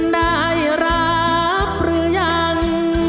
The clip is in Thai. ได้รับหรือยัง